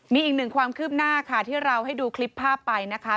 มีอีกหนึ่งความคืบหน้าค่ะที่เราให้ดูคลิปภาพไปนะคะ